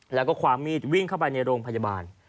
แล้วก็ความมีดวิ่งเข้าไปในโรงพยาบาล